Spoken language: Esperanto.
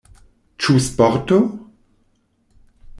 Ĉu sporto?